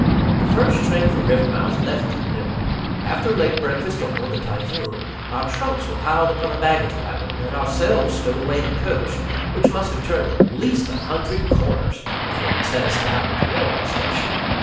The first train for Rivermouth left at noon. After a late breakfast on board the Typhoon, our trunks were piled upon a baggage wagon, and ourselves stowed away in a coach, which must have turned at least one hundred corners before it set us down at the railway station.